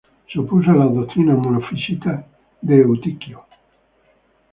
Se opuso a las doctrinas monofisitas de Eutiquio.